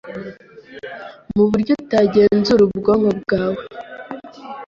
Mu buryo utagenzura ubwonko bwawe